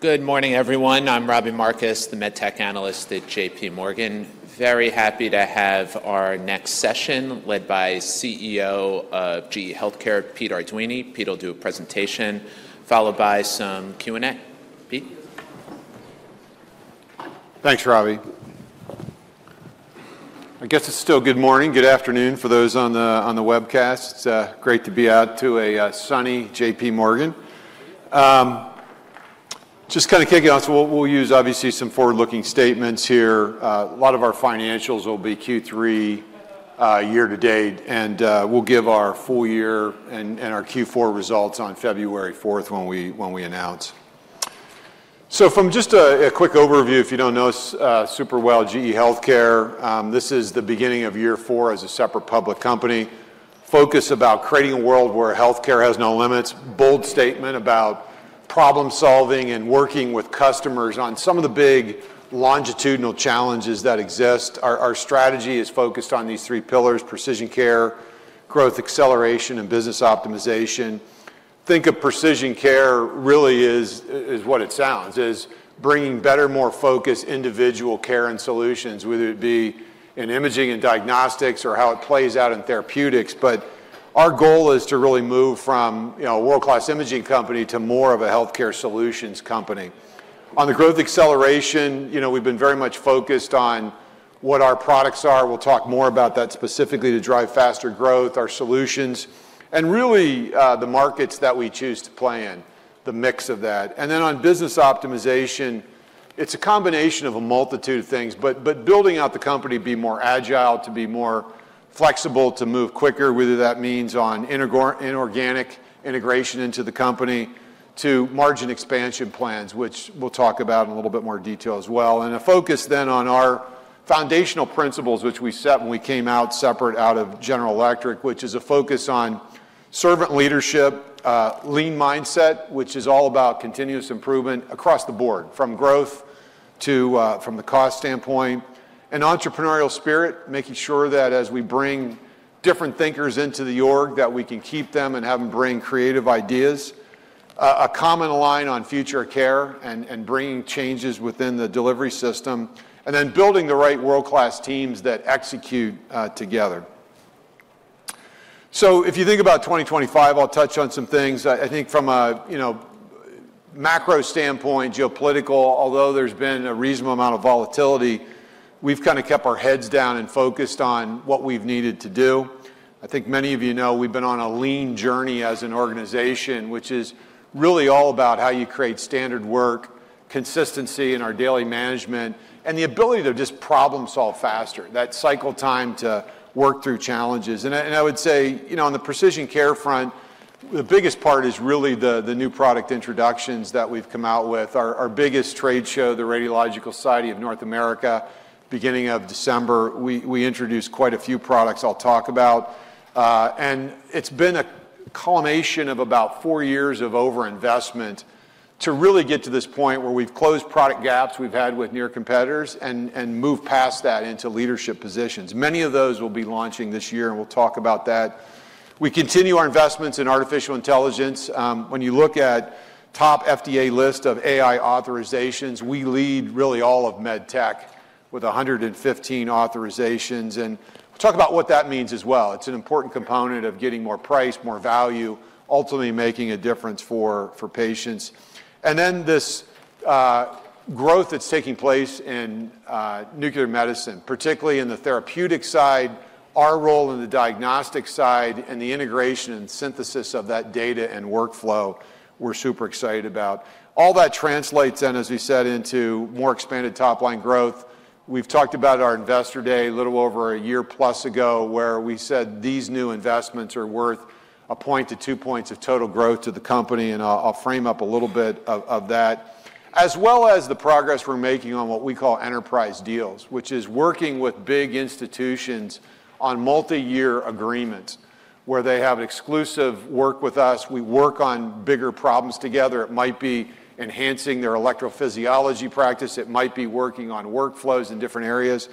Good morning, everyone. I'm Robbie Marcus, the MedTech Analyst at JPMorgan. Very happy to have our next session led by CEO of GE HealthCare, Peter Arduini. Peter will do a presentation, followed by some Q&A. Pete. Thanks, Robbie. I guess it's still good morning, good afternoon for those on the webcast. It's great to be out to a sunny JPMorgan. Just kind of kicking off, we'll use obviously some forward-looking statements here. A lot of our financials will be Q3 year-to-date, and we'll give our full year and our Q4 results on February 4th when we announce. So from just a quick overview, if you don't know us super well, GE HealthCare, this is the beginning of year four as a separate public company. Focus about creating a world where health care has no limits. Bold statement about problem-solving and working with customers on some of the big longitudinal challenges that exist. Our strategy is focused on these three pillars: precision care, growth acceleration, and business optimization. Think of Precision Care really as what it sounds, as bringing better, more focused individual care and solutions, whether it be in imaging and diagnostics or how it plays out in therapeutics. But our goal is to really move from a world-class imaging company to more of a health care solutions company. On the growth acceleration, we've been very much focused on what our products are. We'll talk more about that specifically to drive faster growth, our solutions, and really the markets that we choose to play in, the mix of that. And then on business optimization, it's a combination of a multitude of things, but building out the company to be more agile, to be more flexible, to move quicker, whether that means on inorganic integration into the company to margin expansion plans, which we'll talk about in a little bit more detail as well. And a focus then on our foundational principles, which we set when we came out separate out of General Electric, which is a focus on servant leadership, lean mindset, which is all about continuous improvement across the board, from growth to from the cost standpoint, an entrepreneurial spirit, making sure that as we bring different thinkers into the org, that we can keep them and have them bring creative ideas, a common line on future care and bringing changes within the delivery system, and then building the right world-class teams that execute together. So if you think about 2025, I'll touch on some things. I think from a macro standpoint, geopolitical, although there's been a reasonable amount of volatility, we've kind of kept our heads down and focused on what we've needed to do. I think many of you know we've been on a lean journey as an organization, which is really all about how you create standard work, consistency in our daily management, and the ability to just problem-solve faster, that cycle time to work through challenges. And I would say on the precision care front, the biggest part is really the new product introductions that we've come out with. Our biggest trade show, the Radiological Society of North America, beginning of December, we introduced quite a few products I'll talk about. And it's been a culmination of about four years of over-investment to really get to this point where we've closed product gaps we've had with near competitors and moved past that into leadership positions. Many of those will be launching this year, and we'll talk about that. We continue our investments in artificial intelligence. When you look at the top FDA list of AI authorizations, we lead really all of medtech with 115 authorizations, and we'll talk about what that means as well. It's an important component of getting more price, more value, ultimately making a difference for patients, and then this growth that's taking place in nuclear medicine, particularly in the therapeutic side, our role in the diagnostic side, and the integration and synthesis of that data and workflow; we're super excited about. All that translates then, as we said, into more expanded top-line growth. We've talked about our investor day a little over 1 year+ ago, where we said these new investments are worth a point to two points of total growth to the company. I'll frame up a little bit of that, as well as the progress we're making on what we call enterprise deals, which is working with big institutions on multi-year agreements where they have exclusive work with us. We work on bigger problems together. It might be enhancing their electrophysiology practice. It might be working on workflows in different areas.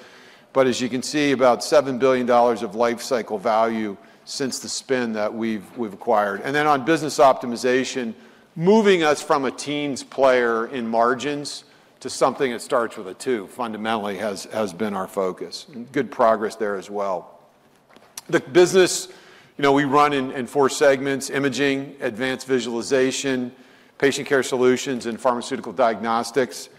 But as you can see, about $7 billion of life cycle value since the spin that we've acquired. And then on business optimization, moving us from a teens player in margins to something that starts with a two, fundamentally has been our focus. And good progress there as well. The business we run in four segments: imaging, advanced visualization, patient care solutions, and pharmaceutical diagnostics.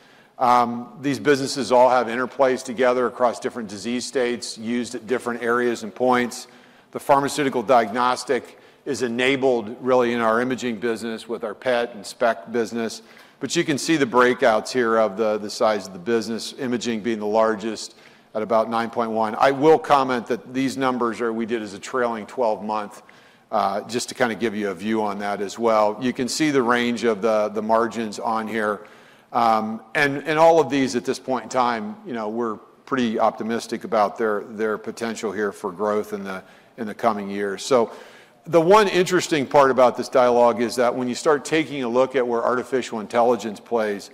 These businesses all have interplayed together across different disease states, used at different areas and points. The pharmaceutical diagnostic is enabled really in our imaging business with our PET and SPECT business, but you can see the breakouts here of the size of the business, imaging being the largest at about 9.1. I will comment that these numbers we did as a trailing 12-month, just to kind of give you a view on that as well. You can see the range of the margins on here, and all of these at this point in time, we're pretty optimistic about their potential here for growth in the coming years, so the one interesting part about this dialogue is that when you start taking a look at where artificial intelligence plays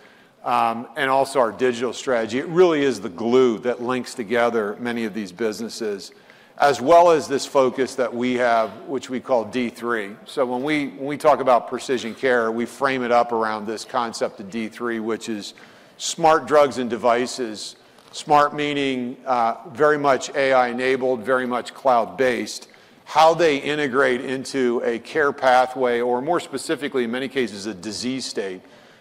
and also our digital strategy, it really is the glue that links together many of these businesses, as well as this focus that we have, which we call D-3. When we talk about Precision Care, we frame it up around this concept of D-3, which is smart drugs and devices, smart meaning very much AI-enabled, very much cloud-based, how they integrate into a care pathway, or more specifically, in many cases, a disease state,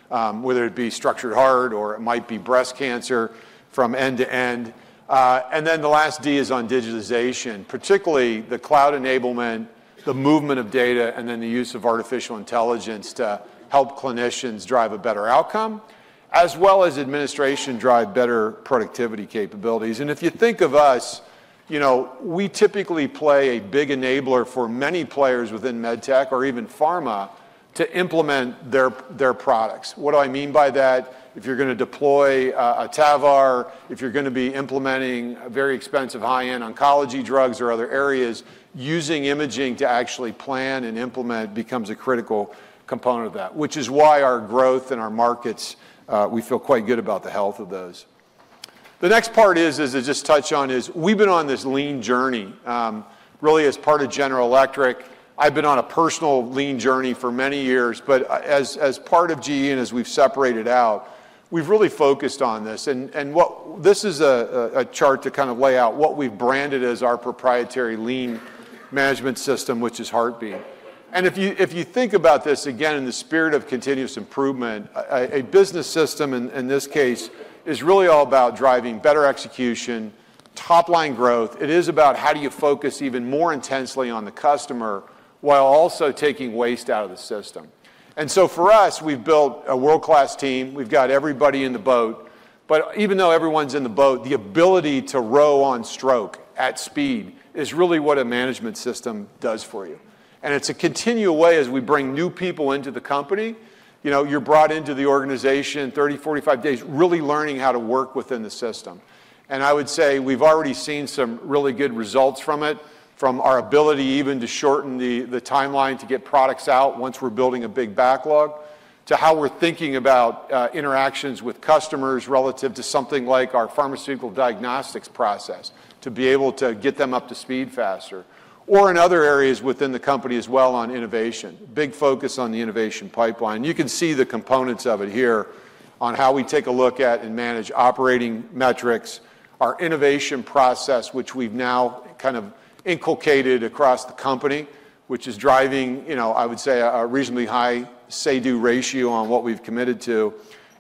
whether it be structural heart or it might be breast cancer from end to end. And then the last D is on digitization, particularly the cloud enablement, the movement of data, and then the use of artificial intelligence to help clinicians drive a better outcome, as well as administration drive better productivity capabilities. And if you think of us, we typically play a big enabler for many players within medtech or even pharma to implement their products. What do I mean by that? If you're going to deploy a TAVR, if you're going to be implementing very expensive high-end oncology drugs or other areas, using imaging to actually plan and implement becomes a critical component of that, which is why our growth and our markets, we feel quite good about the health of those. The next part is, as I just touched on, is we've been on this lean journey. Really, as part of General Electric, I've been on a personal lean journey for many years. But as part of GE and as we've separated out, we've really focused on this. And this is a chart to kind of lay out what we've branded as our proprietary lean management system, which is Heartbeat. And if you think about this again in the spirit of continuous improvement, a business system in this case is really all about driving better execution, top-line growth. It is about how do you focus even more intensely on the customer while also taking waste out of the system. And so for us, we've built a world-class team. We've got everybody in the boat. But even though everyone's in the boat, the ability to row on stroke at speed is really what a management system does for you. And it's a continual way as we bring new people into the company. You're brought into the organization 30, 45 days, really learning how to work within the system. I would say we've already seen some really good results from it, from our ability even to shorten the timeline to get products out once we're building a big backlog, to how we're thinking about interactions with customers relative to something like our pharmaceutical diagnostics process, to be able to get them up to speed faster, or in other areas within the company as well on innovation, big focus on the innovation pipeline. You can see the components of it here on how we take a look at and manage operating metrics, our innovation process, which we've now kind of inculcated across the company, which is driving, I would say, a reasonably high say-do ratio on what we've committed to,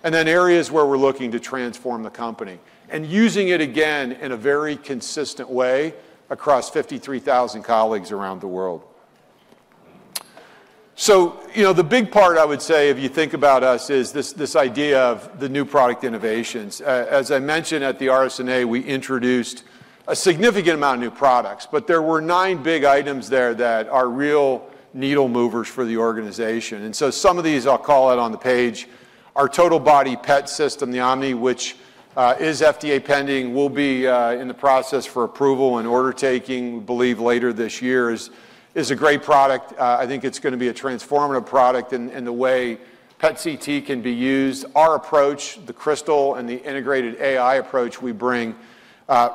and then areas where we're looking to transform the company and using it again in a very consistent way across 53,000 colleagues around the world. So the big part, I would say, if you think about us, is this idea of the new product innovations. As I mentioned at the RSNA, we introduced a significant amount of new products, but there were nine big items there that are real needle movers for the organization. And so some of these, I'll call it on the page, our total body PET system, the Omni, which is FDA pending, will be in the process for approval and order taking, we believe, later this year, is a great product. I think it's going to be a transformative product in the way PET CT can be used. Our approach, the Crystal and the integrated AI approach we bring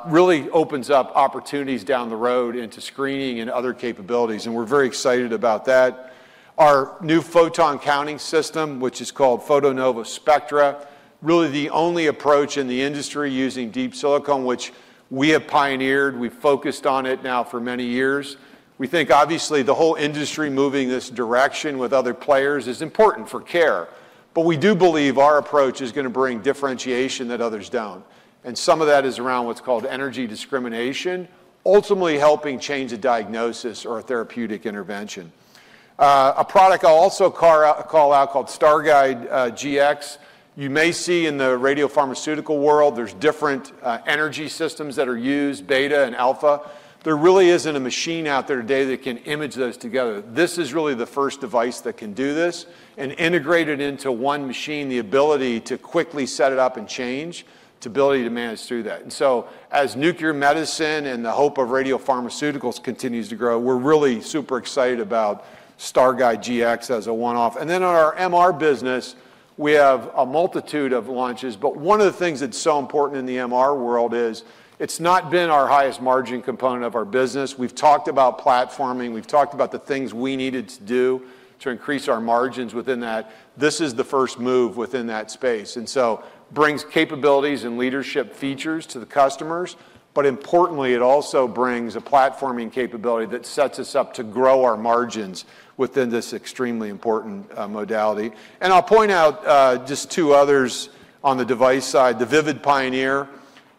really opens up opportunities down the road into screening and other capabilities. And we're very excited about that. Our new photon counting system, which is called Photonova Spectra, really the only approach in the industry using Deep Silicon, which we have pioneered. We've focused on it now for many years. We think, obviously, the whole industry moving this direction with other players is important for care. But we do believe our approach is going to bring differentiation that others don't. And some of that is around what's called energy discrimination, ultimately helping change a diagnosis or a therapeutic intervention. A product I'll also call out called StarGuide GX. You may see in the radiopharmaceutical world, there's different energy systems that are used, beta and alpha. There really isn't a machine out there today that can image those together. This is really the first device that can do this and integrate it into one machine, the ability to quickly set it up and change, the ability to manage through that, and so as nuclear medicine and the hope of radiopharmaceuticals continues to grow, we're really super excited about StarGuide GX as a one-off, and then on our MR business, we have a multitude of launches, but one of the things that's so important in the MR world is it's not been our highest margin component of our business. We've talked about platforming. We've talked about the things we needed to do to increase our margins within that. This is the first move within that space, and so it brings capabilities and leadership features to the customers, but importantly, it also brings a platforming capability that sets us up to grow our margins within this extremely important modality. And I'll point out just two others on the device side. The Vivid Pioneer,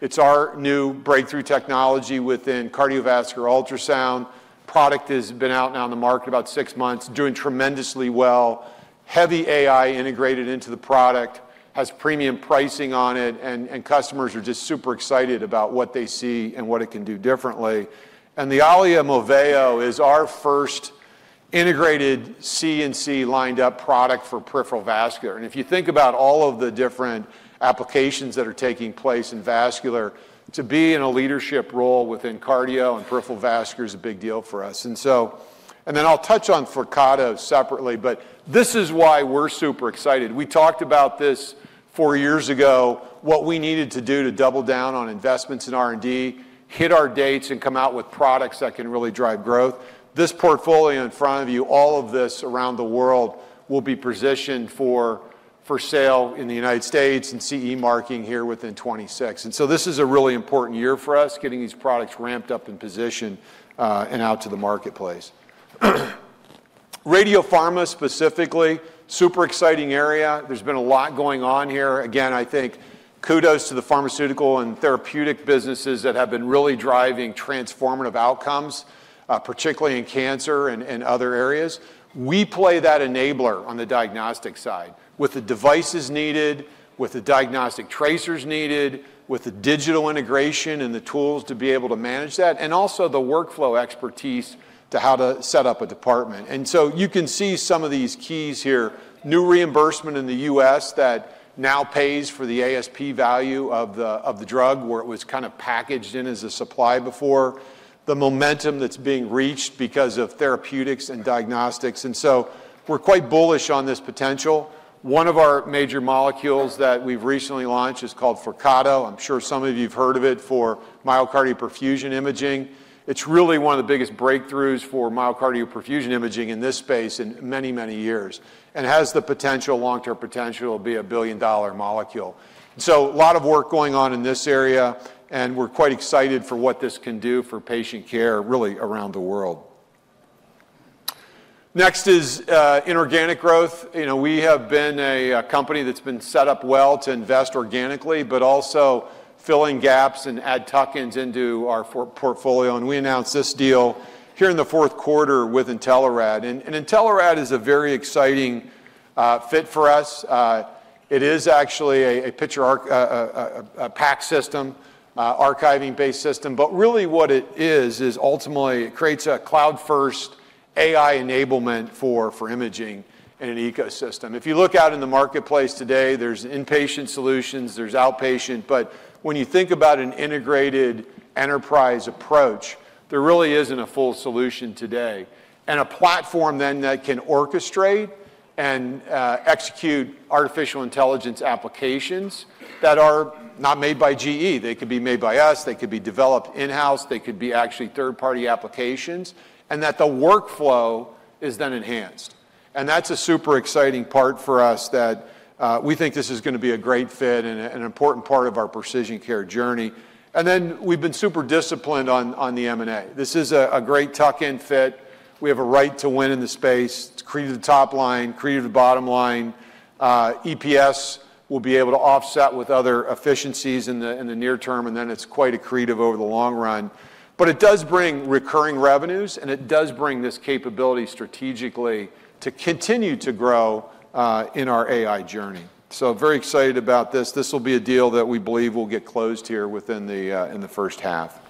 it's our new breakthrough technology within cardiovascular ultrasound. Product has been out now in the market about six months, doing tremendously well. Heavy AI integrated into the product has premium pricing on it, and customers are just super excited about what they see and what it can do differently. And the Allia Moveo is our first integrated cath lab lineup product for peripheral vascular. And if you think about all of the different applications that are taking place in vascular, to be in a leadership role within cardio and peripheral vascular is a big deal for us. And then I'll touch on Flyrcado separately, but this is why we're super excited. We talked about this four years ago, what we needed to do to double down on investments in R&D, hit our dates, and come out with products that can really drive growth. This portfolio in front of you, all of this around the world will be positioned for sale in the United States and CE marking here within 2026, and so this is a really important year for us, getting these products ramped up in position and out to the marketplace. Radiopharma specifically, super exciting area. There's been a lot going on here. Again, I think kudos to the pharmaceutical and therapeutic businesses that have been really driving transformative outcomes, particularly in cancer and other areas. We play that enabler on the diagnostic side with the devices needed, with the diagnostic tracers needed, with the digital integration and the tools to be able to manage that, and also the workflow expertise to how to set up a department, and so you can see some of these keys here. New reimbursement in the U.S. that now pays for the ASP value of the drug where it was kind of packaged in as a supply before. The momentum that's being reached because of therapeutics and diagnostics, and so we're quite bullish on this potential. One of our major molecules that we've recently launched is called Flyrcado. I'm sure some of you've heard of it for myocardial perfusion imaging. It's really one of the biggest breakthroughs for myocardial perfusion imaging in this space in many, many years and has the potential, long-term potential, to be a billion-dollar molecule. So a lot of work going on in this area, and we're quite excited for what this can do for patient care really around the world. Next is inorganic growth. We have been a company that's been set up well to invest organically, but also filling gaps and add tuck-ins into our portfolio. And we announced this deal here in the fourth quarter with Intelerad. And Intelerad is a very exciting fit for us. It is actually a PACS, archiving-based system. But really what it is, is ultimately it creates a cloud-first AI enablement for imaging in an ecosystem. If you look out in the marketplace today, there's inpatient solutions, there's outpatient. But when you think about an integrated enterprise approach, there really isn't a full solution today. And a platform then that can orchestrate and execute artificial intelligence applications that are not made by GE. They could be made by us. They could be developed in-house. They could be actually third-party applications, and that the workflow is then enhanced, and that's a super exciting part for us that we think this is going to be a great fit and an important part of our Precision Care journey, and then we've been super disciplined on the M&A. This is a great tuck-in fit. We have a right to win in the space. It's accretive top line, accretive bottom line. EPS will be able to offset with other efficiencies in the near term, and then it's quite accretive over the long run, but it does bring recurring revenues, and it does bring this capability strategically to continue to grow in our AI journey, so very excited about this. This will be a deal that we believe will get closed here within the first half.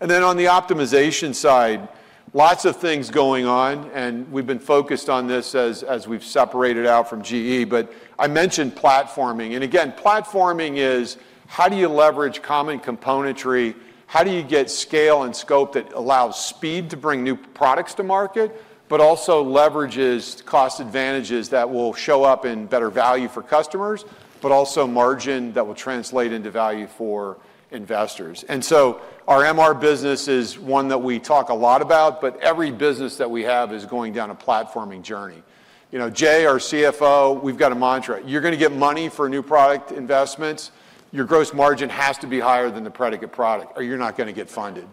And then on the optimization side, lots of things going on, and we've been focused on this as we've separated out from GE. But I mentioned platforming. And again, platforming is how do you leverage common componentry? How do you get scale and scope that allows speed to bring new products to market, but also leverages cost advantages that will show up in better value for customers, but also margin that will translate into value for investors? And so our MR business is one that we talk a lot about, but every business that we have is going down a platforming journey. Jay, our CFO, we've got a mantra. You're going to get money for new product investments. Your gross margin has to be higher than the predicate product, or you're not going to get funded.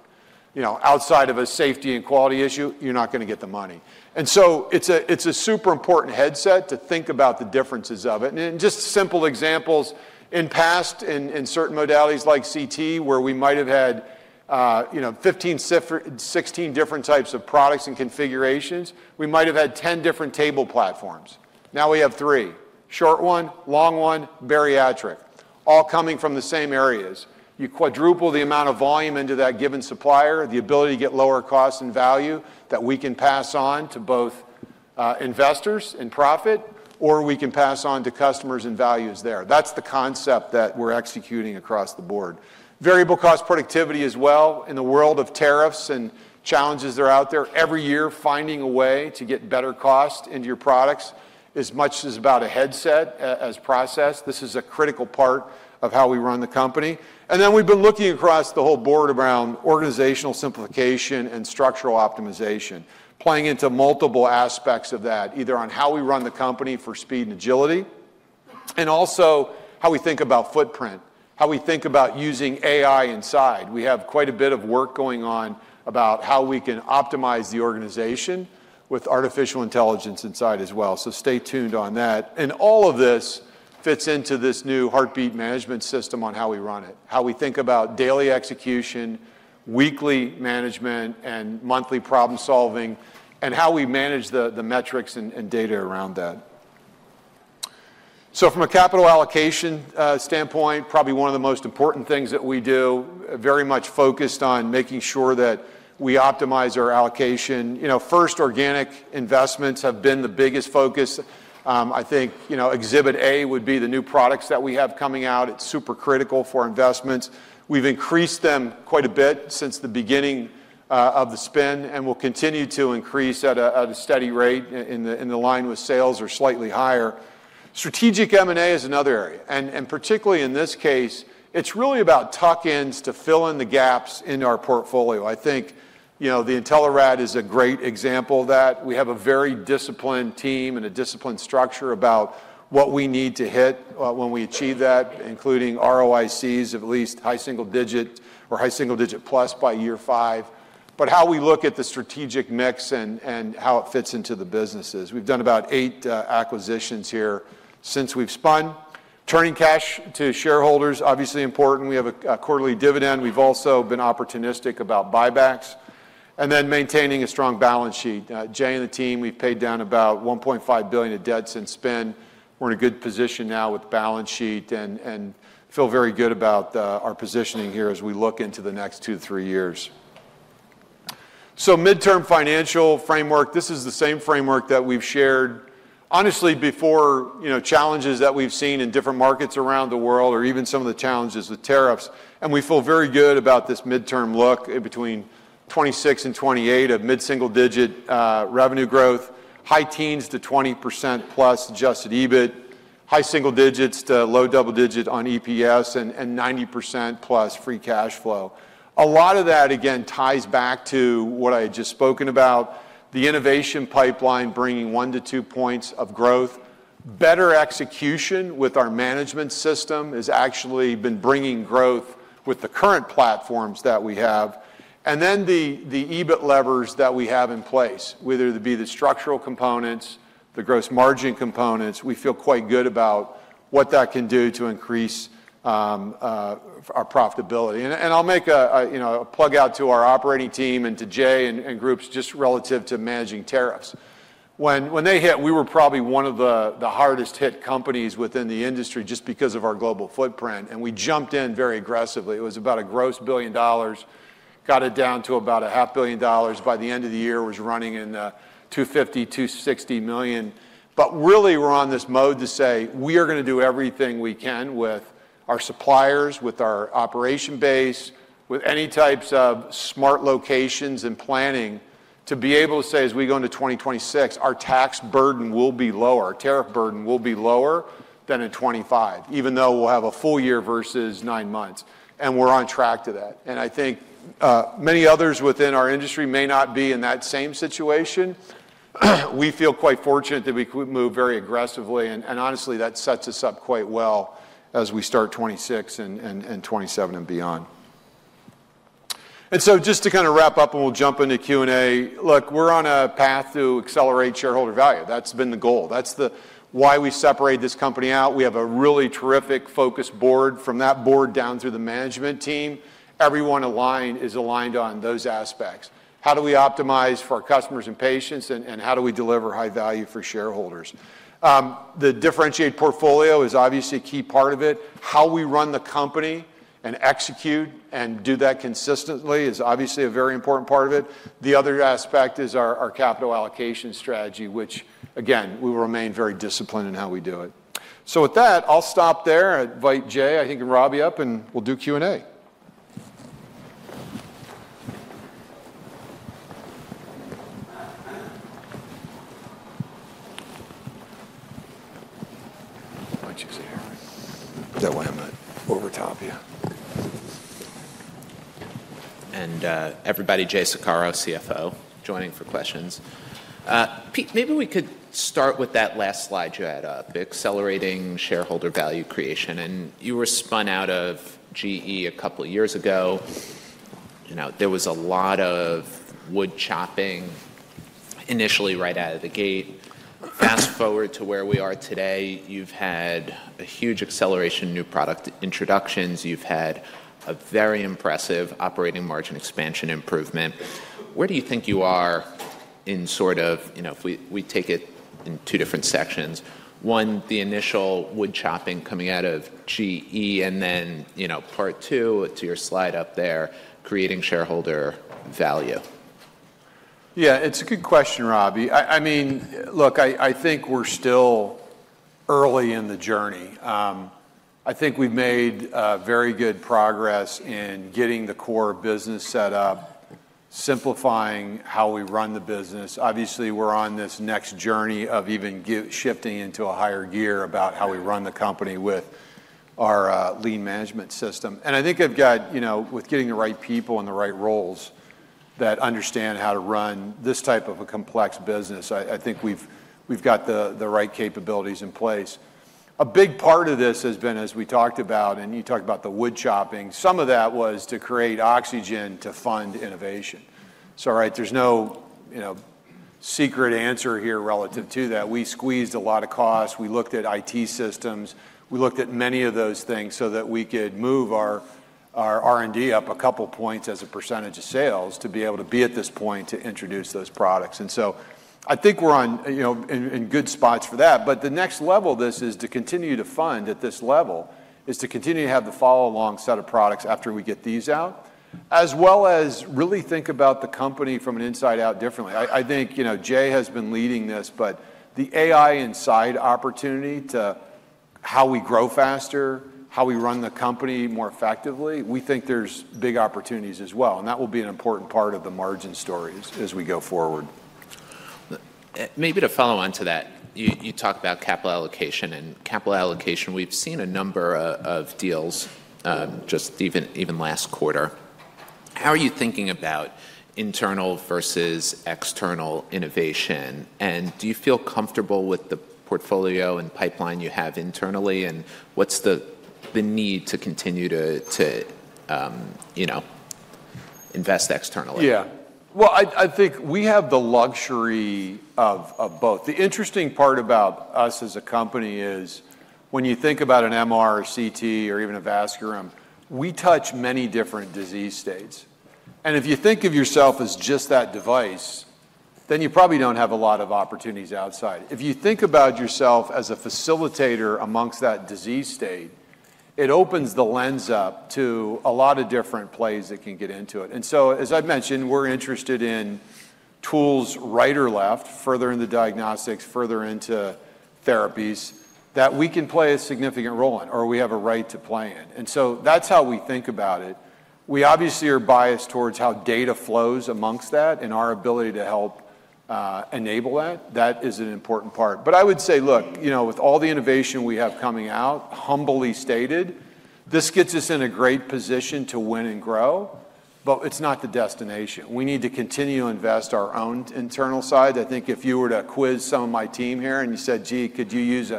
Outside of a safety and quality issue, you're not going to get the money. And so it's a super important aspect to think about the differences of it. Just simple examples, in past, in certain modalities like CT, where we might have had 15, 16 different types of products and configurations, we might have had 10 different table platforms. Now we have three: short one, long one, bariatric, all coming from the same areas. You quadruple the amount of volume into that given supplier, the ability to get lower costs and value that we can pass on to both investors and profit, or we can pass on to customers and values there. That's the concept that we're executing across the board. Variable cost productivity as well. In the world of tariffs and challenges that are out there, every year finding a way to get better costs into your products is as much about an aspect as process. This is a critical part of how we run the company. And then we've been looking across the whole board around organizational simplification and structural optimization, playing into multiple aspects of that, either on how we run the company for speed and agility, and also how we think about footprint, how we think about using AI inside. We have quite a bit of work going on about how we can optimize the organization with artificial intelligence inside as well. So stay tuned on that. And all of this fits into this new Heartbeat management system on how we run it, how we think about daily execution, weekly management, and monthly problem-solving, and how we manage the metrics and data around that. So from a capital allocation standpoint, probably one of the most important things that we do, very much focused on making sure that we optimize our allocation. First, organic investments have been the biggest focus. I think Exhibit A would be the new products that we have coming out. It's super critical for investments. We've increased them quite a bit since the beginning of the spin and will continue to increase at a steady rate in line with sales or slightly higher. Strategic M&A is another area, and particularly in this case, it's really about tuck-ins to fill in the gaps in our portfolio. I think the Intelerad is a great example of that. We have a very disciplined team and a disciplined structure about what we need to hit when we achieve that, including ROICs of at least high single digit or high single digit plus by year five, but how we look at the strategic mix and how it fits into the businesses. We've done about eight acquisitions here since we've spun. Returning cash to shareholders, obviously important. We have a quarterly dividend. We've also been opportunistic about buybacks. And then maintaining a strong balance sheet. Jay and the team, we've paid down about $1.5 billion of debt since spin. We're in a good position now with balance sheet and feel very good about our positioning here as we look into the next two to three years. Midterm financial framework, this is the same framework that we've shared, honestly, before challenges that we've seen in different markets around the world or even some of the challenges with tariffs. And we feel very good about this midterm look between 2026 and 2028 of mid-single-digit revenue growth, high-teens to 20%+ adjusted EBIT, high single-digits to low double-digit on EPS, and 90%+ free cash flow. A lot of that, again, ties back to what I had just spoken about, the innovation pipeline bringing 1-2 points of growth. Better execution with our management system has actually been bringing growth with the current platforms that we have. And then the EBIT levers that we have in place, whether it be the structural components, the gross margin components, we feel quite good about what that can do to increase our profitability. And I'll make a shout-out to our operating team and to Jay and groups just relative to managing tariffs. When they hit, we were probably one of the hardest-hit companies within the industry just because of our global footprint. And we jumped in very aggressively. It was about a gross $1 billion, got it down to about $500 million. By the end of the year, it was running in the $250 million-$260 million. But really, we're on this mode to say, "We are going to do everything we can with our suppliers, with our operation base, with any types of smart locations and planning to be able to say, as we go into 2026, our tax burden will be lower, our tariff burden will be lower than in 2025, even though we'll have a full year versus nine months," and we're on track to that, and I think many others within our industry may not be in that same situation. We feel quite fortunate that we could move very aggressively, and honestly, that sets us up quite well as we start 2026 and 2027 and beyond, and so just to kind of wrap up and we'll jump into Q&A. Look, we're on a path to accelerate shareholder value. That's been the goal. That's why we separate this company out. We have a really terrific focus board. From that board down through the management team, everyone aligned is aligned on those aspects. How do we optimize for our customers and patients, and how do we deliver high value for shareholders? The differentiated portfolio is obviously a key part of it. How we run the company and execute and do that consistently is obviously a very important part of it. The other aspect is our capital allocation strategy, which, again, we will remain very disciplined in how we do it. So with that, I'll stop there. I invite Jay, I think, and Robbie up, and we'll do Q&A. That way I'm not overtop you. And everybody, Jay Saccaro, CFO, joining for questions. Pete, maybe we could start with that last slide you had up, accelerating shareholder value creation. And you were spun out of GE a couple of years ago. There was a lot of wood chopping initially right out of the gate. Fast forward to where we are today, you've had a huge acceleration in new product introductions. You've had a very impressive operating margin expansion improvement. Where do you think you are in sort of, if we take it in two different sections? One, the initial wood chopping coming out of GE, and then part two to your slide up there, creating shareholder value. Yeah, it's a good question, Robbie. I mean, look, I think we're still early in the journey. I think we've made very good progress in getting the core business set up, simplifying how we run the business. Obviously, we're on this next journey of even shifting into a higher gear about how we run the company with our lean management system. I think I've got, with getting the right people in the right roles that understand how to run this type of a complex business, I think we've got the right capabilities in place. A big part of this has been, as we talked about, and you talked about the wood chopping, some of that was to create oxygen to fund innovation. So there's no secret answer here relative to that. We squeezed a lot of costs. We looked at IT systems. We looked at many of those things so that we could move our R&D up a couple of points as a percentage of sales to be able to be at this point to introduce those products. So I think we're in good spots for that. But the next level of this is to continue to fund at this level, to continue to have the follow-along set of products after we get these out, as well as really think about the company from an inside out differently. I think Jay has been leading this, but the AI inside opportunity to how we grow faster, how we run the company more effectively, we think there's big opportunities as well. And that will be an important part of the margin story as we go forward. Maybe to follow on to that, you talked about capital allocation. And capital allocation, we've seen a number of deals just even last quarter. How are you thinking about internal versus external innovation? And do you feel comfortable with the portfolio and pipeline you have internally? And what's the need to continue to invest externally? Yeah. I think we have the luxury of both. The interesting part about us as a company is when you think about an MRCT or even a vascular. We touch many different disease states. If you think of yourself as just that device, then you probably don't have a lot of opportunities outside. If you think about yourself as a facilitator amongst that disease state, it opens the lens up to a lot of different plays that can get into it. As I've mentioned, we're interested in tools right or left, further into diagnostics, further into therapies that we can play a significant role in or we have a right to play in. That's how we think about it. We obviously are biased towards how data flows amongst that and our ability to help enable that. That is an important part. But I would say, look, with all the innovation we have coming out, humbly stated, this gets us in a great position to win and grow, but it's not the destination. We need to continue to invest our own internal side. I think if you were to quiz some of my team here and you said, "GE, could you use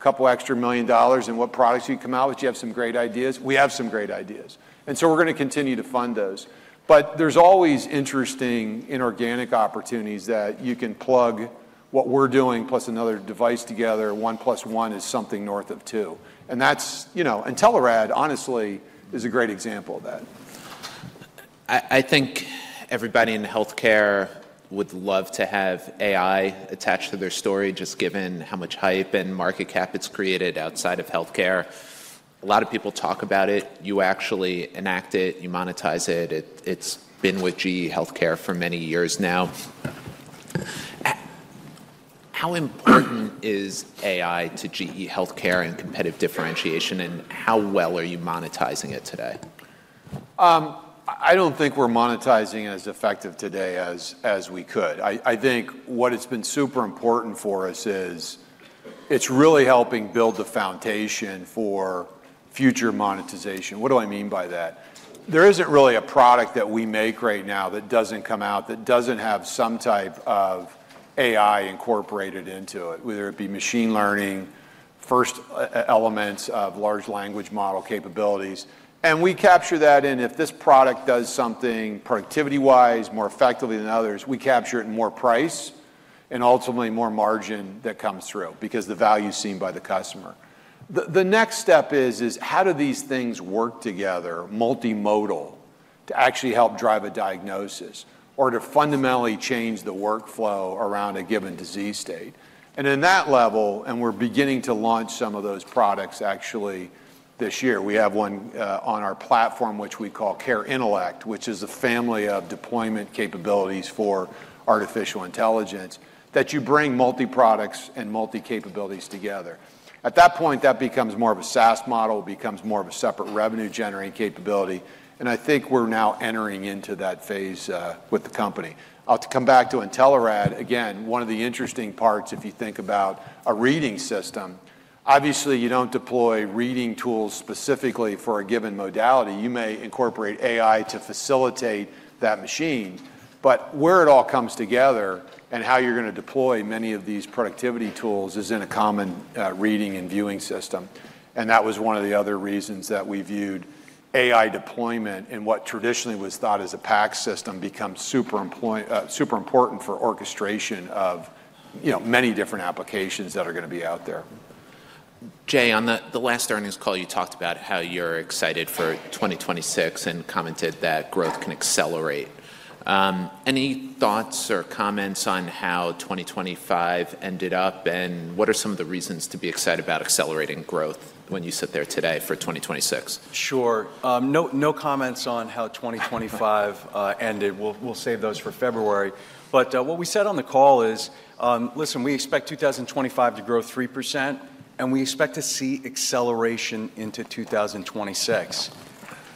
$2 million and what products you'd come out with? Do you have some great ideas?" We have some great ideas. And so we're going to continue to fund those. But there's always interesting inorganic opportunities that you can plug what we're doing plus another device together. 1 + 1 is something north of 2. And Intelerad, honestly, is a great example of that. I think everybody in healthcare would love to have AI attached to their story, just given how much hype and market cap it's created outside of healthcare. A lot of people talk about it. You actually enact it. You monetize it. It's been with GE HealthCare for many years now. How important is AI to GE HealthCare and competitive differentiation, and how well are you monetizing it today? I don't think we're monetizing it as effective today as we could. I think what has been super important for us is it's really helping build the foundation for future monetization. What do I mean by that? There isn't really a product that we make right now that doesn't come out, that doesn't have some type of AI incorporated into it, whether it be machine learning, first elements of large language model capabilities. We capture that in if this product does something productivity-wise more effectively than others. We capture it in more price and ultimately more margin that comes through because the value is seen by the customer. The next step is, how do these things work together multimodal to actually help drive a diagnosis or to fundamentally change the workflow around a given disease state? And in that level, and we're beginning to launch some of those products actually this year. We have one on our platform, which we call CareIntellect, which is a family of deployment capabilities for artificial intelligence that you bring multi-products and multi-capabilities together. At that point, that becomes more of a SaaS model, becomes more of a separate revenue-generating capability. And I think we're now entering into that phase with the company. I'll come back to Intelerad. Again, one of the interesting parts, if you think about a reading system, obviously you don't deploy reading tools specifically for a given modality. You may incorporate AI to facilitate that machine. But where it all comes together and how you're going to deploy many of these productivity tools is in a common reading and viewing system. And that was one of the other reasons that we viewed AI deployment in what traditionally was thought as a PACS system becomes super important for orchestration of many different applications that are going to be out there. Jay, on the last earnings call, you talked about how you're excited for 2026 and commented that growth can accelerate. Any thoughts or comments on how 2025 ended up and what are some of the reasons to be excited about accelerating growth when you sit there today for 2026? Sure. No comments on how 2025 ended. We'll save those for February. But what we said on the call is, listen, we expect 2025 to grow 3%, and we expect to see acceleration into 2026.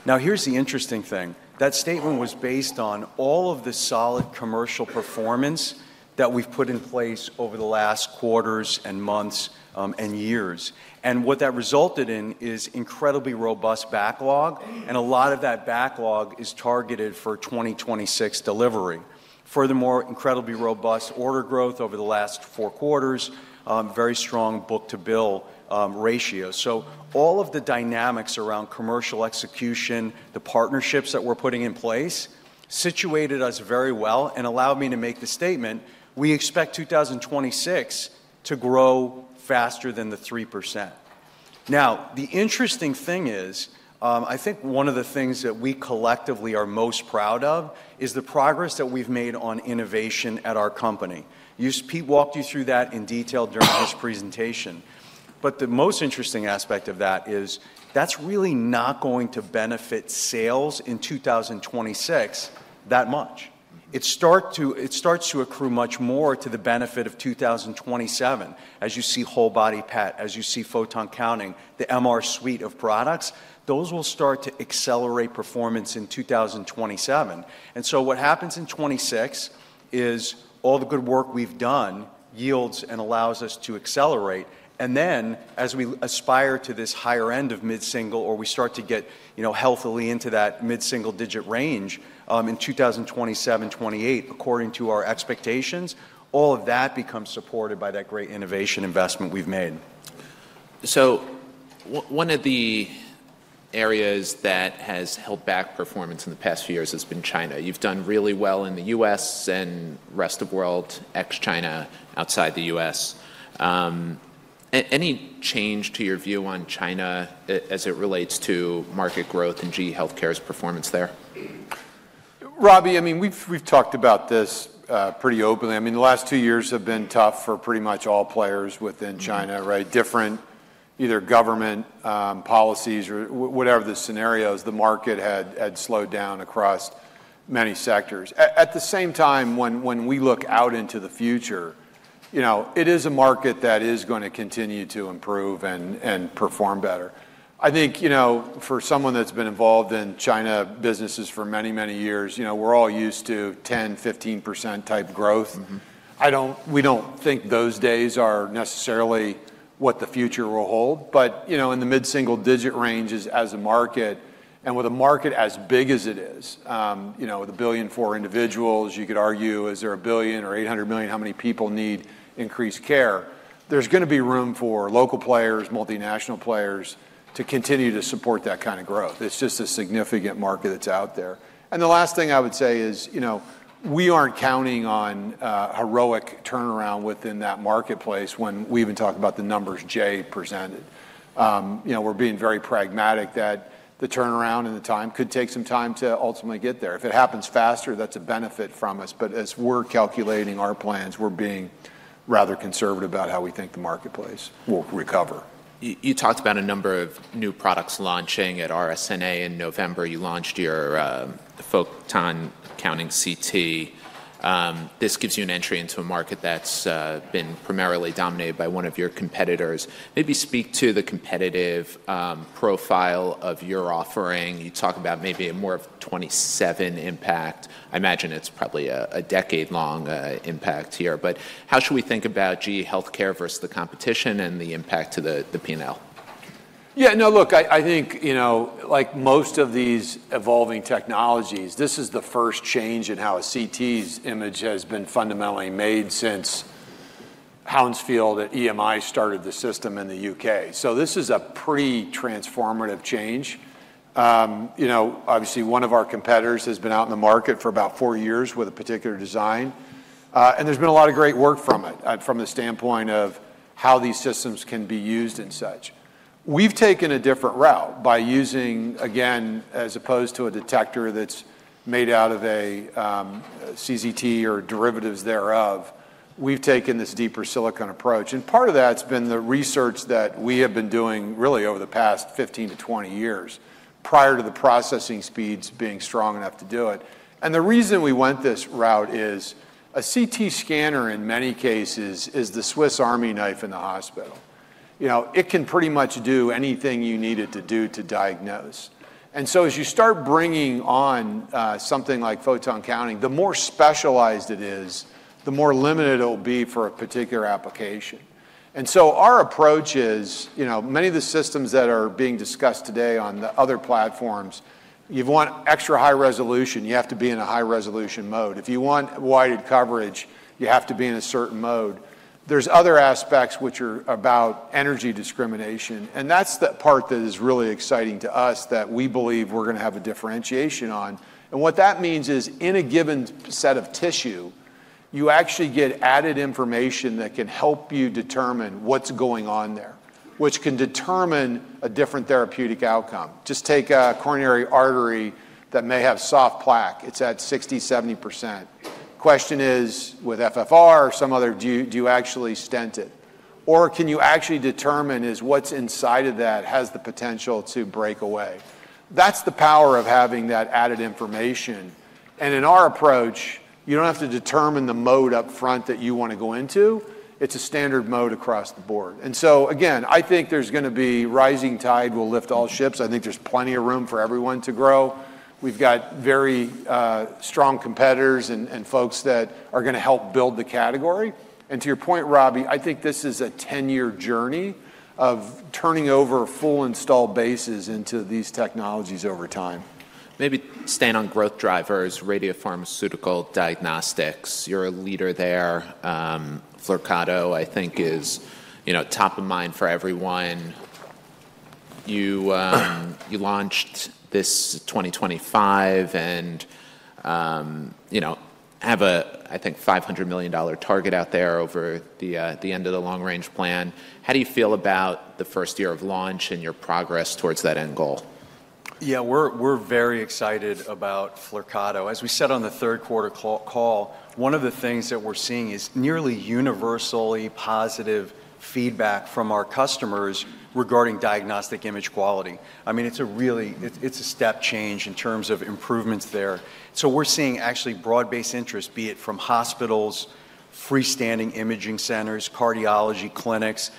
Now, here's the interesting thing. That statement was based on all of the solid commercial performance that we've put in place over the last quarters and months and years. And what that resulted in is incredibly robust backlog. And a lot of that backlog is targeted for 2026 delivery. Furthermore, incredibly robust order growth over the last four quarters, very strong book-to-bill ratio. So all of the dynamics around commercial execution, the partnerships that we're putting in place situated us very well and allowed me to make the statement, we expect 2026 to grow faster than the 3%. Now, the interesting thing is, I think one of the things that we collectively are most proud of is the progress that we've made on innovation at our company. Pete walked you through that in detail during this presentation. But the most interesting aspect of that is that's really not going to benefit sales in 2026 that much. It starts to accrue much more to the benefit of 2027. As you see whole-body PET, as you see photon counting, the MR suite of products, those will start to accelerate performance in 2027. And so what happens in 2026 is all the good work we've done yields and allows us to accelerate. And then as we aspire to this higher end of mid-single or we start to get healthily into that mid-single digit range in 2027, 2028, according to our expectations, all of that becomes supported by that great innovation investment we've made. So one of the areas that has held back performance in the past few years has been China. You've done really well in the U.S. and rest of the world, ex-China, outside the U.S. Any change to your view on China as it relates to market growth and GE HealthCare's performance there? Robbie, I mean, we've talked about this pretty openly. I mean, the last two years have been tough for pretty much all players within China, right? Due to either government policies or whatever the scenarios, the market had slowed down across many sectors. At the same time, when we look out into the future, it is a market that is going to continue to improve and perform better. I think for someone that's been involved in China businesses for many, many years, we're all used to 10%, 15% type growth. We don't think those days are necessarily what the future will hold. But in the mid-single digit ranges as a market, and with a market as big as it is, with 1.4 billion individuals, you could argue, is there 1 billion or 800 million, how many people need increased care? There's going to be room for local players, multinational players to continue to support that kind of growth. It's just a significant market that's out there. And the last thing I would say is we aren't counting on heroic turnaround within that marketplace when we even talk about the numbers Jay presented. We're being very pragmatic that the turnaround and the time could take some time to ultimately get there. If it happens faster, that's a benefit from us. But as we're calculating our plans, we're being rather conservative about how we think the marketplace will recover. You talked about a number of new products launching at RSNA in November. You launched your Photon Counting CT. This gives you an entry into a market that's been primarily dominated by one of your competitors. Maybe speak to the competitive profile of your offering. You talk about maybe a more of 27 impact. I imagine it's probably a decade-long impact here. But how should we think about GE HealthCare versus the competition and the impact to the P&L? Yeah. No, look, I think like most of these evolving technologies, this is the first change in how a CT's image has been fundamentally made since Hounsfield at EMI started the system in the U.K. So this is a pre-transformative change. Obviously, one of our competitors has been out in the market for about four years with a particular design. And there's been a lot of great work from it from the standpoint of how these systems can be used and such. We've taken a different route by using, again, as opposed to a detector that's made out of a CZT or derivatives thereof, we've taken this Deep Silicon approach. And part of that's been the research that we have been doing really over the past 15-20 years prior to the processing speeds being strong enough to do it. And the reason we went this route is a CT scanner in many cases is the Swiss Army knife in the hospital. It can pretty much do anything you need it to do to diagnose. And so as you start bringing on something like photon counting, the more specialized it is, the more limited it will be for a particular application. And so our approach is many of the systems that are being discussed today on the other platforms. You want extra high resolution, you have to be in a high resolution mode. If you want wide coverage, you have to be in a certain mode. There's other aspects which are about energy discrimination. And that's the part that is really exciting to us that we believe we're going to have a differentiation on. What that means is in a given set of tissue, you actually get added information that can help you determine what's going on there, which can determine a different therapeutic outcome. Just take a coronary artery that may have soft plaque. It's at 60%-70%. Question is, with FFR or some other, do you actually stent it? Or can you actually determine what's inside of that has the potential to break away? That's the power of having that added information. In our approach, you don't have to determine the mode upfront that you want to go into. It's a standard mode across the board. So, again, I think there's going to be rising tide will lift all ships. I think there's plenty of room for everyone to grow. We've got very strong competitors and folks that are going to help build the category. To your point, Robbie, I think this is a 10-year journey of turning over full installed bases into these technologies over time. Maybe staying on growth drivers, radiopharmaceutical diagnostics. You're a leader there. Flyrcado, I think, is top of mind for everyone. You launched this 2025 and have a, I think, $500 million target out there over the end of the long-range plan. How do you feel about the first year of launch and your progress towards that end goal? Yeah, we're very excited about Flyrcado. As we said on the third quarter call, one of the things that we're seeing is nearly universally positive feedback from our customers regarding diagnostic image quality. I mean, it's a step change in terms of improvements there. We're seeing actually broad-based interest, be it from hospitals, freestanding imaging centers, cardiology clinics,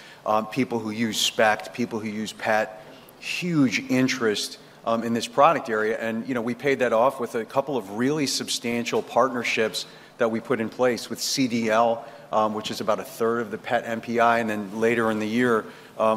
people who use SPECT, people who use PET, huge interest in this product area. We paid that off with a couple of really substantial partnerships that we put in place with CDL, which is about a third of the PET MPI. Then later in the year,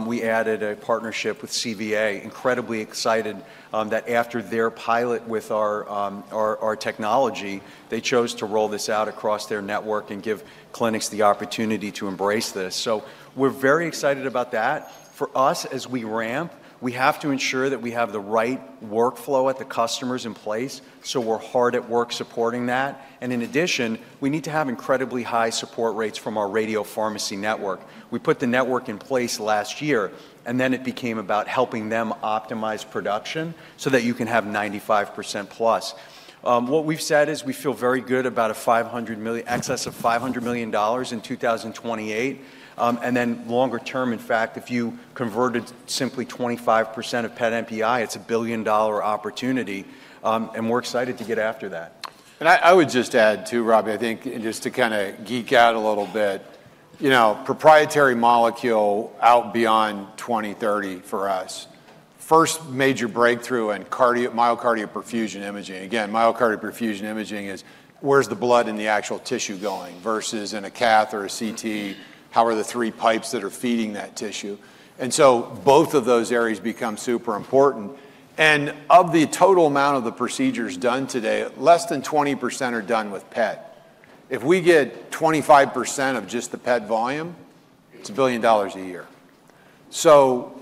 we added a partnership with CVA. We're incredibly excited that after their pilot with our technology, they chose to roll this out across their network and give clinics the opportunity to embrace this. We're very excited about that. For us, as we ramp, we have to ensure that we have the right workflow at the customers in place. We're hard at work supporting that. In addition, we need to have incredibly high support rates from our radio pharmacy network. We put the network in place last year, and then it became about helping them optimize production so that you can have 95% plus. What we've said is we feel very good about an excess of $500 million in 2028, and then longer term, in fact, if you converted simply 25% of PET MPI, it's a billion-dollar opportunity, and we're excited to get after that. And I would just add too, Robbie, I think just to kind of geek out a little bit, proprietary molecule out beyond 2030 for us, first major breakthrough in myocardial perfusion imaging. Again, myocardial perfusion imaging is where's the blood in the actual tissue going versus in a cath or a CT? How are the three pipes that are feeding that tissue? And so both of those areas become super important. And of the total amount of the procedures done today, less than 20% are done with PET. If we get 25% of just the PET volume, it's $1 billion a year. So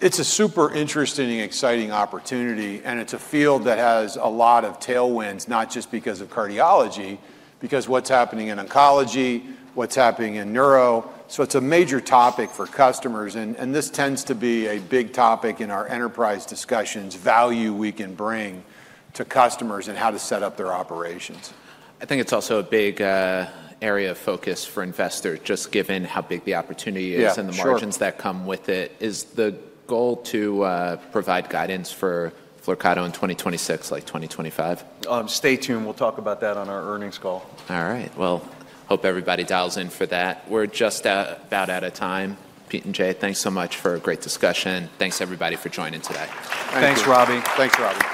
it's a super interesting and exciting opportunity, and it's a field that has a lot of tailwinds, not just because of cardiology, because what's happening in oncology, what's happening in neuro. So it's a major topic for customers. And this tends to be a big topic in our enterprise discussions, value we can bring to customers and how to set up their operations. I think it's also a big area of focus for investors, just given how big the opportunity is and the margins that come with it. Is the goal to provide guidance for Flyrcado in 2026, like 2025? Stay tuned. We'll talk about that on our earnings call. All right. Hope everybody dials in for that. We're just about out of time. Pete and Jay, thanks so much for a great discussion. Thanks, everybody, for joining today. Thanks, Robbie.